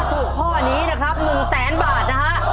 ข้อนี้นะครับ๑แสนบาทนะฮะ